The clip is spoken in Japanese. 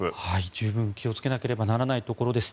十分気をつけなければならないところです。